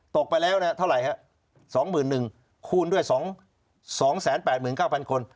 ตกไปแล้วเนี่ยเท่าไรฮะสองหมื่นหนึ่งคูณด้วยสองสองแสนแปดหมื่นเก้าพันคน